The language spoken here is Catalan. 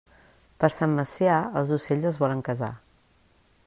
Per Sant Macià, els ocells es volen casar.